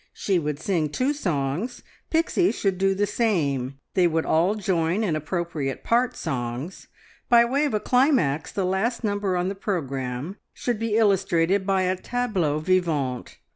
She would sing two songs; Pixie should do the same. They would all join in appropriate part songs. By way of a climax the last number on the programme should be illustrated by a tableau vivant.